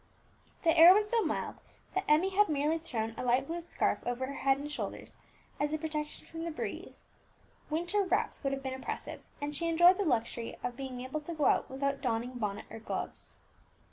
The air was so mild that Emmie had merely thrown a light blue scarf over her head and shoulders as a protection from the breeze; winter wraps would have been oppressive, and she enjoyed the luxury of being able to go out without donning bonnet or gloves.